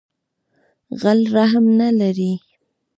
غل رحم نه لری